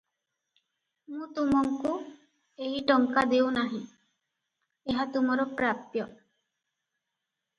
ମୁଁ ତୁମଙ୍କୁ ଏହି ଟଙ୍କା ଦେଉ ନାହିଁ- ଏହା ତୁମର ପ୍ରାପ୍ୟ!